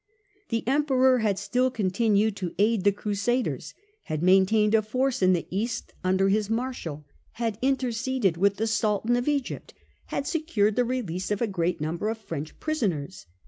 The Emperor had still continued to aid the Crusaders, had maintained a force in the East under his Marshal, had interceded with the Sultan of Egypt and secured the release of a great number of French prisoners.